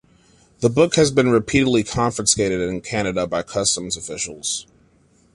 The book has been repeatedly confiscated in Canada by customs officials.